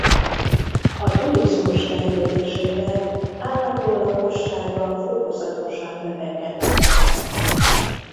A turizmus fejlődésével állandó lakossága fokozatosan növekedett.